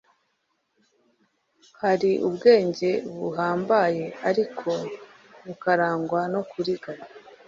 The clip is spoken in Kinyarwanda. hari ubwenge buhambaye ariko bukarangwa no kuriganya